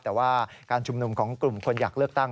แต่ว่าการชุมนุมของกลุ่มคนอยากเลือกตั้ง